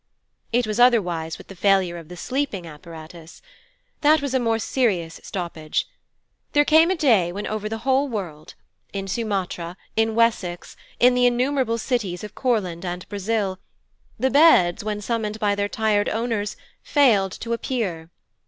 It was otherwise with the failure of the sleeping apparatus. That was a more serious stoppage. There came a day when over the whole world in Sumatra, in Wessex, in the innumerable cities of Courland and Brazil the beds, when summoned by their tired owners, failed to appear.